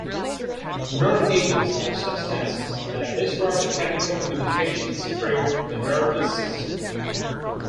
Nerve agents are substances that disrupt the chemical communications through the nervous system.